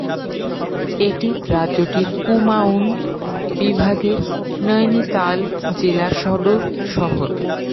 এটি রাজ্যটির কুমায়ুন বিভাগের নৈনিতাল জেলার সদর শহর।